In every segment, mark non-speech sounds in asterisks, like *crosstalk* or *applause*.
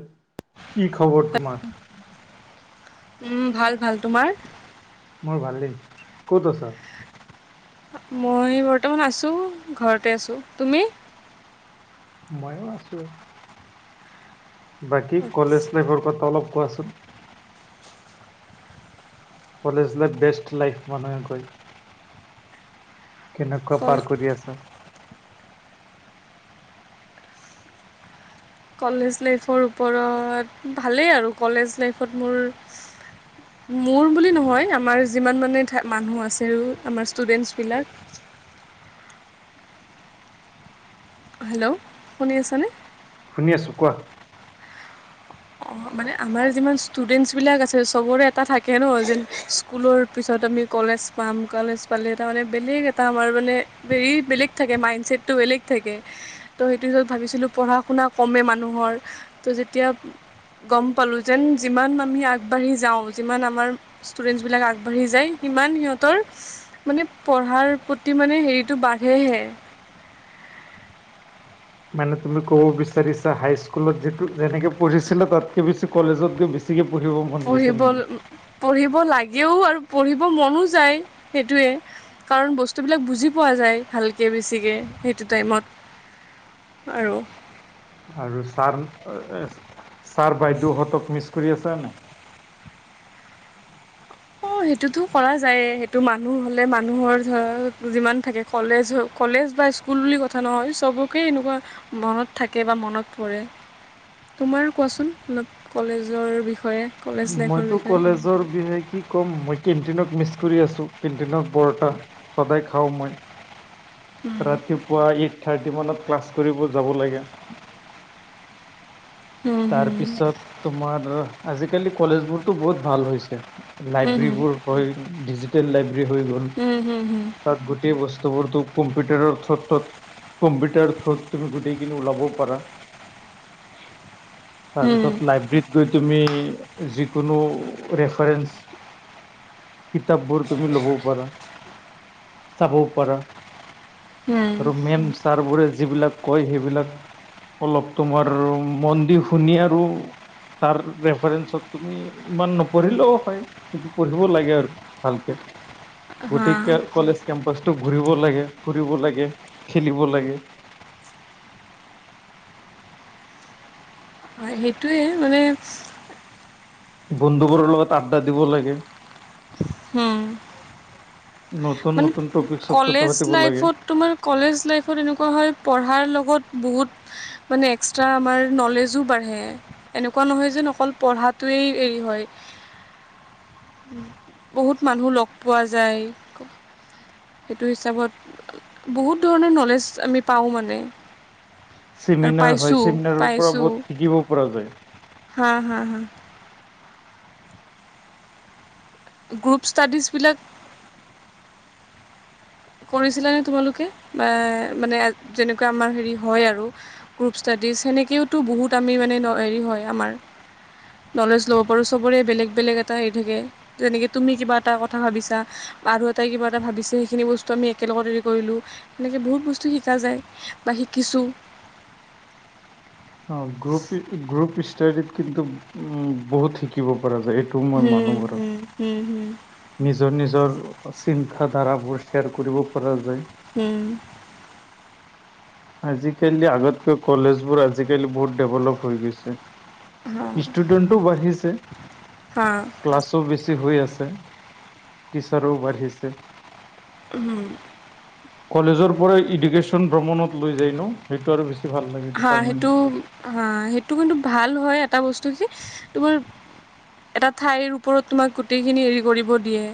উ। কি খবৰ তোমাৰ। উম, ভাল ভাল তোমাৰ? মোৰ ভাল দেই। ক'ত আছা? মই বৰ্তমান আছো ঘৰতে আছো তুমি। মইয়ো আছো। বাকী কলেজ লাইফৰ কথা, অলপ কোৱাচোন। কলেজ লাইফ বেষ্ট লাইফ মানুহে কয়। কেনেকুৱা কল পাৰ কৰি আছা। কলেজ লাইফৰ ওপৰত ভালেই আৰু কলেজ লাইফত মোৰ মোৰ বুলি নহয় আমাৰ যিমান মানে মানুহ আছে আমাৰ ষ্টুডেণ্টছবিলাক। হেল্ল' শুনি আছনে। শুনি আছো কোৱা। অঁ, মানে আমাৰ যিমান ষ্টুডেণ্টছবিলাক আছে চবৰে এটা থাকে ন যেন স্কুলৰ পিছত আমি কলেজ পাম কলেজ পালে তাৰ মানে বেলেগ এটা আমাৰ মানে হেৰি বেলেগ থাকে মাইণ্ডচছেটটো বেলেগ থাকে। ত' সেইটো পিছত ভাবিছিলো পঢ়া শুনা কমে মানুহৰ ত যেতিয়া। গম পালো যেন যিমান আমি আগবাঢ়ি যাওঁ যিমান আমাৰ ষ্টুডেন্টছ বিলাক আগবাঢ়ি যায় সিমান সিহঁতৰ, মানে পঢ়াৰ প্ৰতি মানে হেৰিটো বাঢ়েহে, মানে তুমি ক'ব বিচাৰিছা হাইস্কুলত যিটো যেনেকে পঢ়িছিলা তাতকে বেছি কলেজত গৈ বেছি বেচিকে পঢ়িব ম পঢ়িব পঢ়িব লাগেও আৰু পঢ়িব মনো যায় সেইটোৱে। কাৰণ বস্তুবিলাক বুজি পোৱা যায়, ভালকে বেছিকে সেইটো টাইমত। আৰু আৰু ছাৰ এ ছাৰ বাইদেউ সতক মিছ কৰি আছা নাই। অ সেইটোতো কৰা যায় এ সেইটো মানুহ হলে মানুহৰ ধৰ যিমান থাকে। কলেজ কলেজ বা স্কুল বুলি কথা নহয়, চবকে এনেকুৱা। মনত থাকে বা মনত পৰে। তোমাৰ কোৱাচোন ম কলেজৰ বিষয়ে। কলেজ লাইফৰ মইতো বিষয়ে কলেজৰ বিষয়ে কি ক'ম মই কেণ্টিনক মিছ কৰি আছো, কেণ্টিনত পৰটা সদায় খাওঁ মই। উম ৰাতিপুৱা এইট থাৰ্টি মানত ক্লাছ কৰিব যাব লাগে। হুম তাৰ হুম পিছত তোমাৰ ধৰ আজিকালি কলেজ বোৰত‌ বহুত ভাল হৈছে। হুম লাইব্ৰেৰী হুম বোৰ হৈ ডিজিটেল লাইব্ৰেৰী হৈ গ'ল। হুম হুম হুম তাত গোটেই বস্তুবোৰটো‌, কম্পিউটাৰৰ থ্ৰতত কম্পিউটাৰ থ্ৰুত তুমি গোটেইখিনি ওলাবও পাৰা। হুম তাৰপিছত লাইব্ৰেৰীত, গৈ তুমি যিকোনো ৰেফাৰেন্ঞ্চ কিতাপবোৰ তুমি ল'বও পাৰা, চাবও পাৰা। হুম আৰু মেম ছাৰ বোৰে যিবিলাক কয় সেইবিলাক, অলপ তোমাৰ মন দি শুনি আৰু তাৰ ৰেফাৰেন্ঞ্চত তুমি ইমান নপঢ়িলেও হয় কিন্তু পঢ়িব লাগে আৰু ভালকে। গতিকে হা কলেজ কেম্পাচটো ঘূৰিব লাগে, ফুৰিব লাগে, খেলিব লাগে। হয় সেইটোৱে মানে। বন্ধুবোৰৰ লগত আড্ডা দিব লাগে। উম। নতুন মানে নতুন টপিকছত কথা কলেজ পাতিব লাগে লাইফত তোমাৰ কলেজ লাইফত এনেকুৱা হয় পঢ়াৰ লগত বহুত মানে এক্সট্ৰা আমাৰ নলেজো বাঢ়ে। এনেকুৱা নহয় যেন অকল পঢ়াটোৱেই হেৰি হয়। বহুত মানুহ লগ পোৱা যায়। সেইটো হিচাপত বহুত ধৰণৰ নলেজ আমি পাওঁ মানে। আৰু চেমিনাৰ হয় পাইছোঁ চেমিনাৰৰ পৰা পাইছোঁ বহুত শিকিব পৰা যায়। হা, হা, হা। গ্ৰুপ, ষ্টাডিজবিলাক কৰিছিলানে তোমালোকে বা মানে যেনেকুৱা আমাৰ হেৰি হয় আৰু গ্ৰুপ ষ্টাডিজ সেনেকেওতো বহুত আমি মানে হেৰি হয় আমাৰ। নলেজ ল'ব পাৰোঁ চবৰে বেলেগ বেলেগ এটা হেৰি থাকে। যেনেকে তুমি কিবা এটা কথা ভাবিছা আৰু এটাই কিবা এটা ভাবিছে সেইখিনি বস্তু তো আমি একেলগত হেৰি কৰিলো এনেকে বহুত বস্তু শিকা যায় বা শিকিছোঁ। অ গ্ৰ গ্ৰুপ ড কিন্তু উ বহুত শিকিব পৰা যায়। মই মানো হম বাৰু হুম হুম হুম, নিজৰ নিজৰ চিন্তাধাৰাবোৰ শ্বেয়াৰ কৰিব পৰা যায়। হ'ম। আজিকালি আগতকৈ কলেজ বোৰ আজিকালি বহুত ডেভলপ হৈ গৈছে। হা ষ্টুডেণ্টো বাঢ়িছে। হা ক্লাছো বেছি হৈ আছে টিচাৰো বাঢ়িছে। উম, কলেজৰ পৰাই এডুকেশ্যন ভ্ৰমণত লৈ যায় ন সেইটো আৰু ভাল লাগে হা ডিপাৰ্টমেন্ট সেইটো ৱাইজ। হা সেইটো কিন্তু ভাল হয় এটা বস্তু কি তোমাৰ। এটা ঠাইৰ ওপৰত তোমাক গোটেইখিনি হেৰি কৰিব দিয়ে।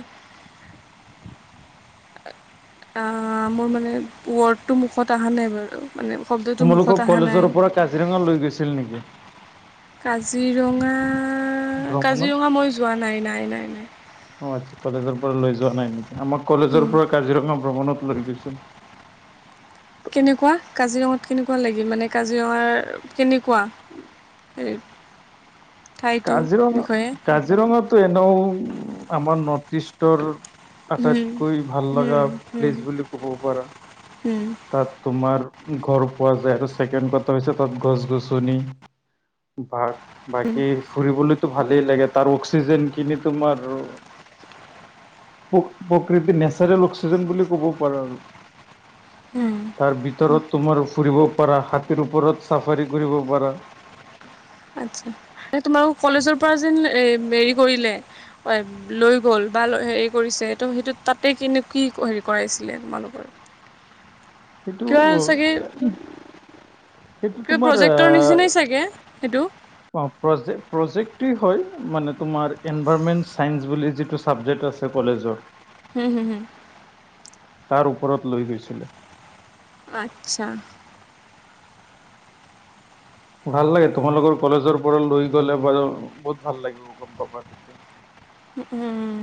মোৰ মানে ৱৰ্ডটো মুখত অহা নাই বাৰু মানে শব্দটো তোমালোকক মুখত অহা কলেজৰ নাই। পৰা কাজিৰঙা লৈ গৈছিল নেকি। কাজিৰঙা ভ্ৰমণত? কাজিৰঙা মই যোৱা নাই নাই নাই নাই। অ আচ্ছা কলেজৰ পৰা লৈ যোৱা নাই নেকি আমাক কলেজৰ উম পৰা কাজিৰঙা ভ্ৰমণত লৈ গৈছিল। কেনেকুৱা কাজিৰঙাত কেনেকুৱা লাগে মানে কাজিৰঙাৰ কেনেকুৱা। সেই, কাজিৰঙা কাজিৰঙটো এনেও আমাৰ নৰ্থ ইষ্টৰ, উম আটাইতকৈ ভাল লগা উম উম প্লেচ বুলি ক'ব পাৰা। উম তাত তোমাৰ গড় পোৱা যায় আৰু ছেকেণ্ড কথা হৈছে তাত গছ গছনি। বাঘ, কি ফুৰিবলৈতো ভালেই লাগে তাৰ অক্সিজে কিনি তোমাৰ। প্ৰ প্ৰকৃতিৰ নেচাৰেল অক্সিজেন বুলি ক'ব পাৰা আৰু উম তাৰ ভিতৰত তোমাৰ ফুৰিব পাৰা হাতীৰ ওপৰত চাফাৰী কৰিব পাৰা। আচ্ছা এই তোমালোক কলেজৰ পৰা যেন হেৰি কৰিলে। লৈ গ'ল বা হেৰি কৰিছে ত সেইটো তাতে কি কি হেৰি কৰাইছিলে তোমালোকৰ। সেইটো কিবা চাগে সেইটো কিবা তোমাৰ প্ৰজেক্টৰ নিচিনাই চাগে সেইটো। প্ৰ প্ৰজেক্টেই হয় মানে তোমাৰ এনভাইৰনমেণ্ট চাইন্স বুলি যিটো চাবজেক্ট আছে কলেজৰ। হুম হুম হুম, তাৰ ওপৰত লৈ গৈছিলে। আচ্ছা, ভাল লাগে তোমালোকৰ কলেজৰ পৰা লৈ গ'লে বাৰু বহুত ভাল লাগিব গম পাপা তেতিয়া। উম উম,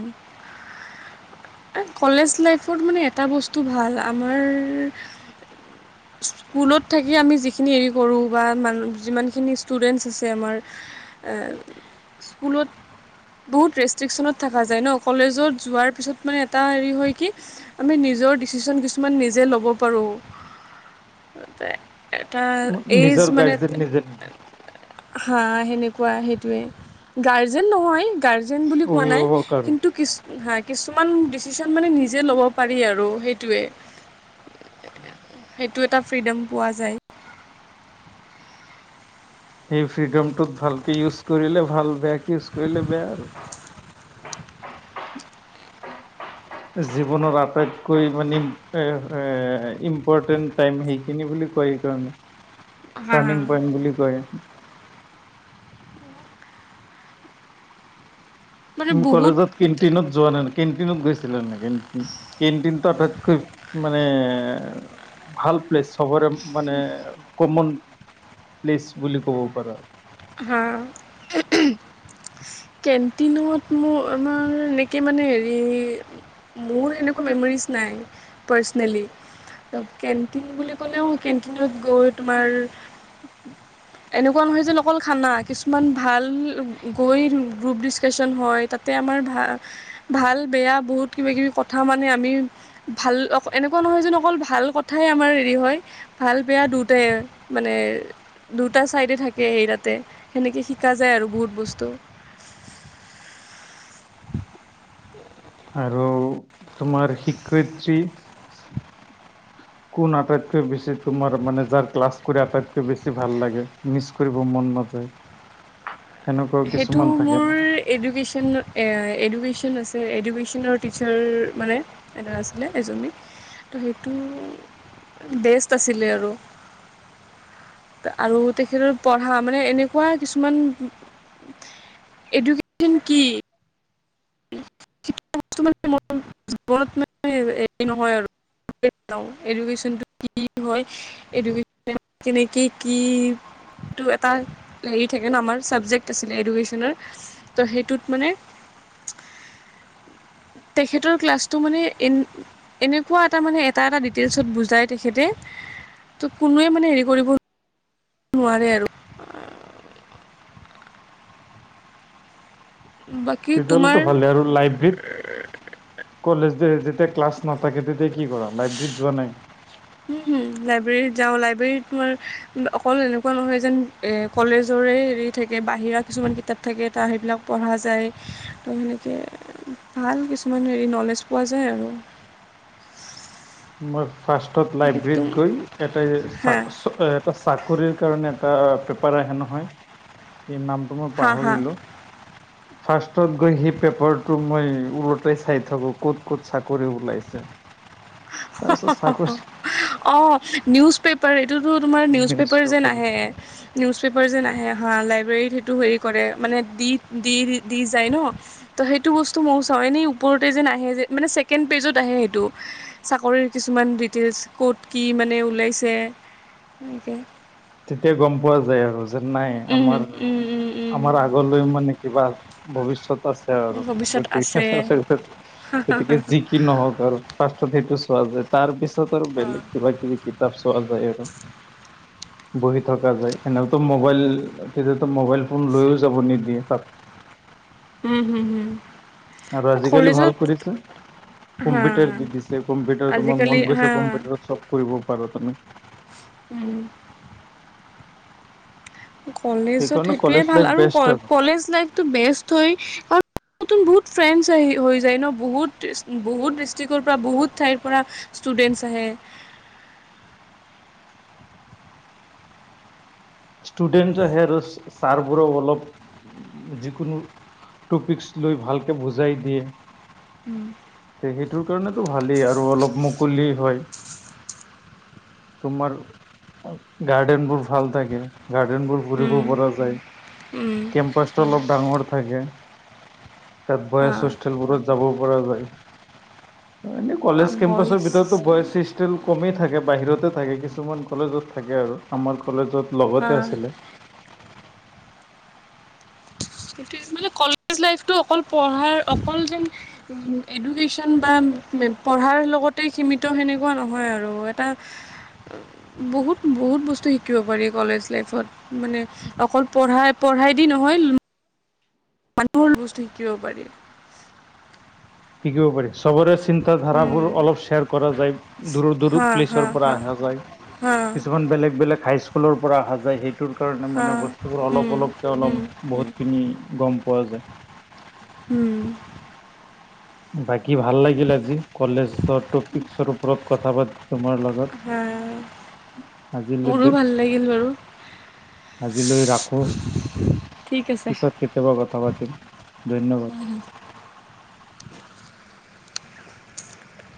কলেজ লাইফত মানে এটা বস্তু ভাল আমাৰ *inaudible* স্কুলত থাকি আমি যিখিনি হেৰি কৰোঁ বা মান যিমানখিনি ষ্টুডেন্টছ আছে আমাৰ। স্কুলত বহু ৰেচ ষ্ট্ৰিক্যনত থকা যায় ন কলেজত যোৱাৰ পিছত মানে এটা হেৰি হয় কি। আমি নিজৰ ডিচিচন কিছুমান নিজে ল'ব পাৰো। এটা এইজ নিজৰ মানে। গাৰ্জেন নিজে নিজে হা সেনেকুৱা সেইটোৱে গাৰ্জেন নহয় গাৰ্জেন বু পোৱা নাই অভিভাৱক আৰু কিন্তু কিছ হা কিছুমান ডিচিশন মানে নিজে ল'ব পাৰি আৰু সেইটোৱে উম *unintelligible* সেইটো এটা ফ্ৰীডম পোৱা যায় সেই ফ্ৰীডমটোত ভালকে ইউজ কৰিলে ভাল, বেয়াকে ইউজ কৰিলে বেয়া আৰু জীৱনৰত আটাইতকৈ মানে এ ইম্পৰ্টেণ্ট। টাইম সেইখিনি বুলি কয় সেই কাৰণে হা টাৰ্ণিং পইন্ট বুলি কয়। মানে তুমি বহুত কলেজত কেণ্টিনত যোৱা নাই কেণ্টিনত গৈছিলা নি কেন্টিন টো আটাইতকৈ মানে ভাল প্লেছ। সবৰে মানে কমন প্লেচ বুলি ক'ব পাৰা। হা। কেণ্টিনত মোৰ আমাৰ এনেকে মানে হেৰি। মোৰ এনেকুৱা মেমৰিজ নাই পাৰ্চনেলি। কেণ্টিন বুলি ক'লেও কেণ্টিনত গৈ তোমাৰ এনেকুৱা নহয় যে অকল খানা কিছুমান ভাল গৈ গ্ৰুপ ডিছকাশচন হয় তাতে আমাৰ ভা ভাল বেয়া বহুত কিবা কিবি কথা মানে আমি ভাল অ এনেকুৱা নহয় যেন অকল ভাল কথাই আমাৰ হেৰি হয় ভাল বেয়া দুটাই মানে দুটা চাইডে থাকে সেই তাত তে সেনেকে শিকা যায় আৰু বহুত বস্তু আৰু তোমাৰ শিক্ষয়িত্ৰী কোন আটাইতকৈ বেছি তোমাৰ মানে যাৰ ক্লাছ কৰি আটাইতকৈ বেছি ভাল লাগে? মিচ কৰিব মন নাযায় সেনেকুৱাও কিছুমান থাকে ন এডুকেশ্যনত এডুকেশ্যন আছে এডুকেশ্যনৰ টিচাৰ মানে এটা আছিলে এজনী ত' সেইটো বেষ্ট আছিলে আৰু আৰু তেখেতৰ পঢ়া মানে এনেকুৱা কিছুমান এডুকেশ্যন কি? *unintelligible* জীৱনত মানে হেৰি নহয় আৰু এডুকেশ্বন টো কি হয়, এডুকেশ্বন মানে কেনেকে কি? এটা হেৰি থাকে ন আমাৰ চাবজেক্ট আছিলে এডুকেশ্যনৰ ত' সেইটোত মানে তেখেতৰ ক্লাছটো মানে এন এনেকুৱা এটা মানে এটা এটা ডিটেইলছত বুজাই তেখেতে, ত কোনোৱে মানে হেৰি কৰিব নোৱাৰে আৰু। বাকী তেতিয়া হ'লেতো তোমাৰ ভালে আৰু লাইভ্ৰীট কলেজ যে যেতিয়া ক্লাছ নাথাকে তেতিয়া কি কৰা লাইব্ৰেৰীত যোৱা নাই? লাইব্ৰেৰীত যাওঁ লাইব্ৰেৰীত তোমাৰ অকল এনেকুৱা নহয় যেন এ কলেজৰে হেৰি থাকে বাহিৰা কিছুমান কিতাপ থাকে তাৰ সেইবিলাক পঢ়া যায় ত সেনেক তে ভাল কিছুমান হেৰি নলেজ পোৱা যায় আৰু। মই ফাৰ্ষ্টত বাকী তুম লাইব্ৰেৰীত গৈ এটা চা হা চ এ এটা চাকৰিৰ কাৰণে এটা পেপাৰ আহে নহয় কি নামটো মই হা হা পাহৰিলোঁ *inaudible* ফাৰ্ষ্টত গৈ সেই পেপাৰটো মই ওলতে চাই থাকো ক'ত ক'ত চাকৰি ওলাইছে। তাৰপিছত চাকৰি অ নিউজ পেপ- পাৰ এইটোতো তোমাৰ নিউজ পেপাৰ যেন আহে। নিউজ পেপাৰ যেন আহে হাঁ লাইব্ৰেৰীত সেইটো হেৰি কৰে মানে দি দি দি যায় ন। ত সেইটো বস্তু মও চাওঁ এনেই ওপৰতে যেন আহে যে মানে ছেকেণ্ড পেজত আহে সেইটো। চাকৰিৰ কিছুমান ডিটেইলছ ক'ত কি মানে ওলাইছে এনেকে। তেতিয়া গম পোৱা যায় আৰু যেন নাই উম, আমাৰ উম, উম, আমাৰ আগলৈ মানে কিবা ভৱিষ্যত আছ- আৰু উম, ভৱিষ্যত আছে। গতিকে আৰু জি- কি নহক আৰু পাত সেইটো চোৱা যায় তাৰ পিছত আৰু অ'। বেলেগ কিবা কিবি কিতাপ চোৱা যায় আৰু। বহি থকা যায় সেনেওতো মোবাইল তেতিয়াটৈ মোবাইল ফোন লৈও যাব নিদিয়ে তাত। উম হুম হুম। আৰু আজিকালি ভাল কৰিছে। হা কম্পিউটাৰ দিছে কম্পিউটাৰ তোমাৰ আজিকালি মন হা গৈছে কম্পিউটাৰত চব কৰিব পাৰা তুমি। উম। কলেজত সেইকাৰণে সেইটোৱে কলেজ ভাল লাইফ আৰু বেষ্ট কলেজ লাইফটো বেষ্ট হয়। কাৰ- নতুন বহুত ফ্ৰেণ্ডছ আহি হৈ যায় ন বহুত বহুত ডিষ্ট্ৰিক্টৰ পৰা বহুত ঠাইৰ পৰা ষ্টোদেঞ্চ আহে। ষ্টুডেণ্ট আহে আৰু ছাৰবোৰো অলপ যিকোনো টপিকচ লৈ ভালকে বুজাই দিয়ে। উম। সেইটোৰ কাৰণেতো ভালেই আৰু অলপ মুকলি হয়। তোমাৰ গাৰ্ডেনবোৰ ভাল থাকে। গাৰ্ডেনবোৰ ফুৰিব উম পৰা যায়, উম কেম্পাছটো অলপ ডাঙৰ থাকে। তাত হা বয়েসষ্ঠেলবোৰত যাবও পৰা যায়। এনে- কলেজ বইজ কেম্পাছৰ ভিতৰতো বয়সৃষ্ট টিল কমেই থাকে বাহিৰতে থাকে কিছুমান কলেজত থাকে আৰু আমাৰ কলেজত হা লগতে আছিলে। সেইটোৱে মানে কলেজ লাইফটো অকল পঢ়াৰ অকল যেন এডুকেশ্যন বা পঢ়াৰ লগতে সীমিত সেনেকুৱা নহয় আৰু এটা *inaudible* বহুত বহুত বস্তু শিকিব পাৰি কলেজ লাইফত মানে অকল পঢ়াই পঢ়াই দি নহয় মানুহল বস্তু শিকিব পাৰি। শিকিব পাৰি চবৰে চিন্তা ধাৰাবোৰ অলপ শ্বেয়াৰ কৰা যায়, দূৰৰ দূৰ হা হা প্লেচৰ পৰা হা আহা যায়। হা কিছুমান বেলেগ বেলেগ হাইস্কুলৰ পৰা অহা যায় সেইট- টোৰ কাৰণে হা মানে বস্তুবোৰ অলপ উম অলপকৈ উম অলপ উম বহুতখিনি গম পোৱা যায়। উম। বাকী ভাল লাগিল আজি কলেজৰ টপিকচৰ ওপৰত কথা পাতি তোমাৰ লগত। *inaudible* হা আজিলৈ মোৰো ভাল লাগিল বাৰু আজিলৈ ৰাখো ঠিক আছে পিছত কে কেতিয়াবা কথা পাতিম ধন্যবাদ।